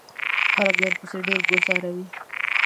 خلک درپسې ډیری گوزاروي.